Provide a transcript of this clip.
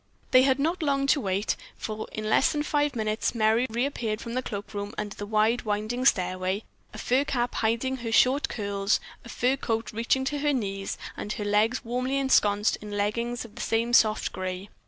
They had not long to wait, for in less than five minutes Merry reappeared from the cloakroom, under the wide, winding stairway, a fur cap hiding her short curls, a fur cloak reaching to her knees and her legs warmly ensconced in leggins of the same soft grey.